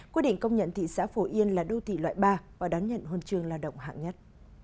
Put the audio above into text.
quyết định công nhận thị xã phổ yên là đô thị loại ba và đón nhận huân trường lao động hạng nhất